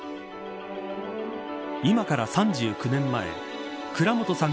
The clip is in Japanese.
今から３９年前倉本さん